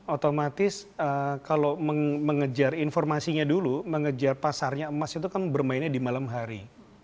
otomatis kalau mengejar informasinya dulu mengejar pasarnya emas itu kan bermainnya di malam hari